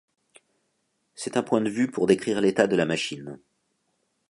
C'est un point de vue pour décrire l'état de la machine.